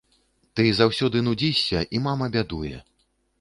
Ты заўсёды нудзішся, і мама бядуе.